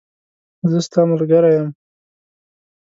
زه ستاملګری یم